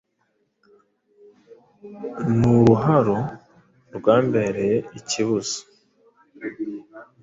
Ni uruharo rwambereye ikibuza,